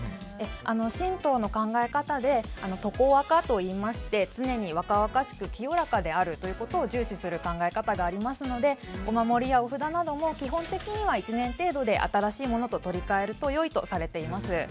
神道の考え方で常若といいまして常に若々しく清らかであることを重視する考え方がありますのでお守りやお札なども基本的には１年程度で新しいものを取り換えるのがいいとされます。